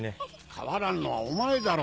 変わらんのはお前だろ